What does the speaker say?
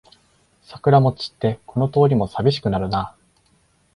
桜も散ってこの通りもさびしくなるな